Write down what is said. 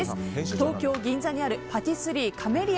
東京・銀座にあるパティスリーカメリア